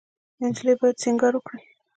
انجلۍ باید سینګار وکړي.